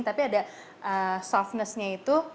tapi ada softness nya itu